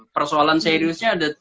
persoalan seriusnya ada